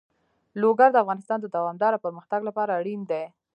لوگر د افغانستان د دوامداره پرمختګ لپاره اړین دي.